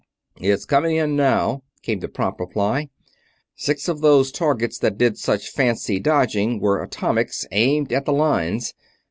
"It's coming in now," came the prompt reply. "Six of those targets that did such fancy dodging were atomics, aimed at the Lines.